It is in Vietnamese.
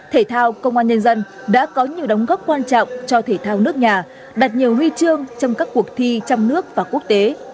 thể thao công an nhân dân đã có nhiều đóng góp quan trọng cho thể thao nước nhà đặt nhiều huy chương trong các cuộc thi trong nước và quốc tế